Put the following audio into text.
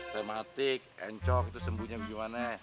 tematik encok itu sembuhnya bagaimana